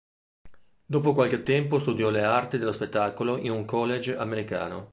Dopo qualche tempo studiò le arti dello spettacolo in un college americano.